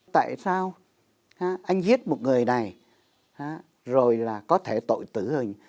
tại sao anh giết một người này rồi là có thể tội tử hình